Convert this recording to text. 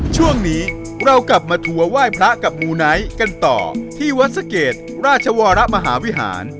ช่วงนี้เรากลับมาทัวร์ไหว้พระกับมูไนท์กันต่อที่วัดสะเกดราชวรมหาวิหาร